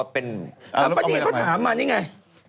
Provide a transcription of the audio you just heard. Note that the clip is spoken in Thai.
ตอนนี้เขาถามอันนี้ไง